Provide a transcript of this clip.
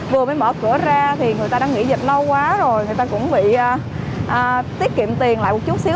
vừa mới mở cửa ra thì người ta đã nghỉ dịch lâu quá rồi người ta cũng bị tiết kiệm tiền lại một chút xíu